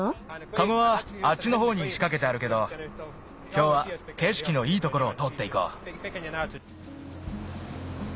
カゴはあっちのほうにしかけてあるけどきょうはけしきのいいところをとおっていこう。